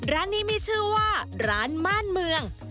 ร้านนี้มีชื่อว่าร้านม่านเมือง